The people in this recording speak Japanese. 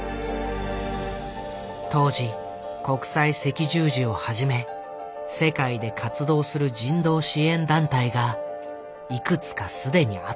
当時国際赤十字をはじめ世界で活動する人道支援団体がいくつか既にあった。